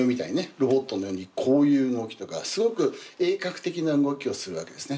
ロボットのようにこういう動きとかすごく鋭角的な動きをするわけですね。